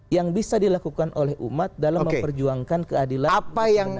yang bisa dilakukan oleh umat dalam memperjuangkan keadilan